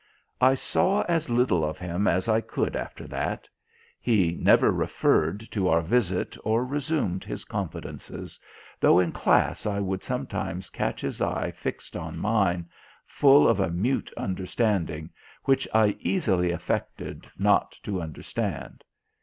I saw as little of him as I could after that. He never referred to our visit or resumed his confidences, though in class I would sometimes catch his eye fixed on mine, full of a mute understanding, which I easily affected not to understand.